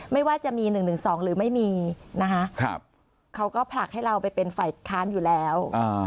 ไม่ว่าจะมี๑๑๒หรือไม่มีนะคะเขาก็ผลักให้เราไปเป็นฝ่ายค้านอยู่แล้ว